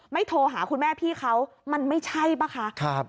ไม่โทรหาคุณแม่พี่เขามันไม่ใช่ป่ะค่ะครับ